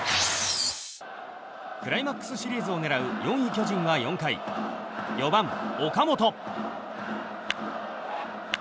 クライマックスシリーズを狙う４位、巨人は４回、４番、岡本。